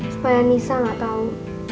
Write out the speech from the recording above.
supaya nisa gak tau